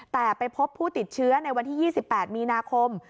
แต่ไปพบผู้ติดเชื้อในวันที่๒๘มีนาคม